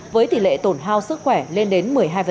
với tỷ lệ tổn hao sức khỏe lên đến một mươi hai